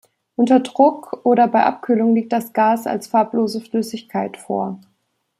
Unter Druck oder bei Abkühlung liegt das Gas als farblose Flüssigkeit vor.